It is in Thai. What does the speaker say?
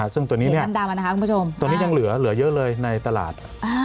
ซึ่งตัวนี้ยังเหลือเยอะเลยในตลาด